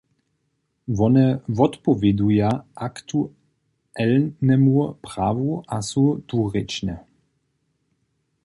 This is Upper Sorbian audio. Wone wotpowěduja aktualnemu prawu a su dwurěčne.